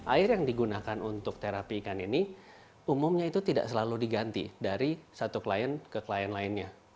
air yang digunakan untuk terapi ikan ini umumnya itu tidak selalu diganti dari satu klien ke klien lainnya